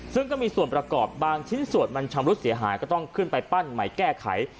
ซึ่งก็มีส่วนประกอบบางชิ้นส่วนมันชำรุดเสียหายก็ต้องขึ้นไปปั้นใหม่แก้ไข